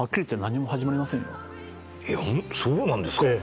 いやそうなんですか。